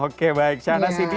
oke baik syahna sidira terima kasih